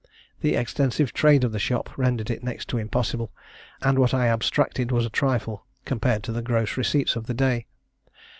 The extensive trade of the shop rendered it next to impossible; and what I abstracted was a trifle compared to the gross receipts of the day.